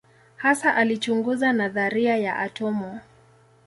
Hasa alichunguza nadharia ya atomu.